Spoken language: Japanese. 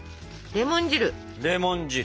レモン汁。